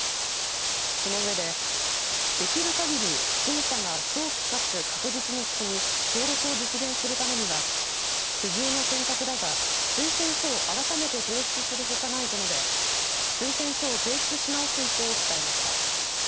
その上で、できるかぎり審査が早期、かつ確実に進み登録を実現するためには苦渋の選択だが推薦書を改めて提出するほかないと述べ推薦書を提出し直す意向を伝えました。